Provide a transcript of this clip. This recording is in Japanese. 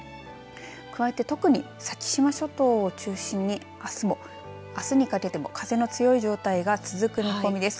加えて、特に先島諸島を中心にあすにかけても風の強い状態が続く見込みです。